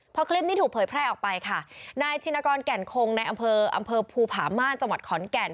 พอคลิปนี้ถูกเผยแพร่ออกไปค่ะนายชินกรแก่นคงในอำเภออำเภอภูผาม่านจังหวัดขอนแก่น